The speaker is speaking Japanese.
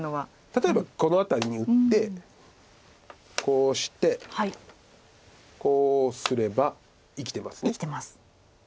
例えばこの辺りに打ってこうしてこうすれば生きてます。